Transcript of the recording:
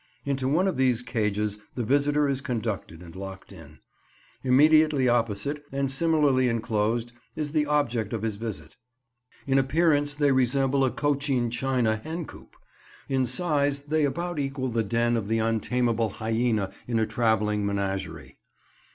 Into one of these cages the visitor is conducted and locked in. Immediately opposite, and similarly enclosed, is the object of his visit. In appearance they resemble a Cochin China hen coop; in size they about equal the den of the untameable hyæna in a travelling menagerie.